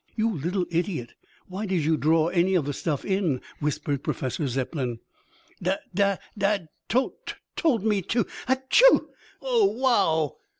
"You little idiot, why did you draw any of the stuff in?" whispered Professor Zepplin. "Da Da Dad to to told me to! Ackerchew! Oh, wow!"